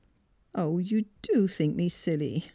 *' Oh, you do think me silly!